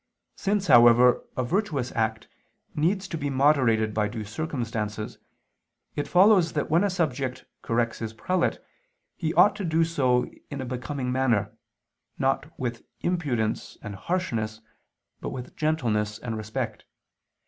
Since, however, a virtuous act needs to be moderated by due circumstances, it follows that when a subject corrects his prelate, he ought to do so in a becoming manner, not with impudence and harshness, but with gentleness and respect.